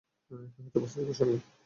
এটাই হচ্ছে বাস্তবতার সংজ্ঞা।